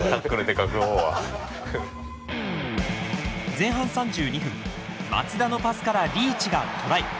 前半３２分松田のパスからリーチがトライ。